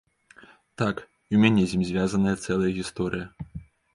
Так, і ў мяне з ім звязаная цэлая гісторыя.